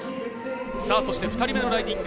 ２人目のライディング。